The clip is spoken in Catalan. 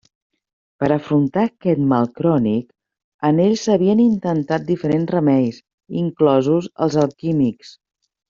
Per afrontar aquest mal crònic en ell s'havien intentat diferents remeis, inclosos els alquímics.